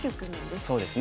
そうですね。